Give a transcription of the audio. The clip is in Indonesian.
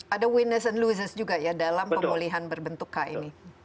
ada winness and losers juga ya dalam pemulihan berbentuk k ini